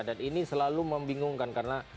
dan ini selalu membingungkan